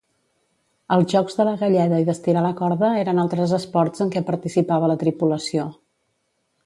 Els jocs de la galleda i d'estirar la corda eren altres esports en què participava la tripulació.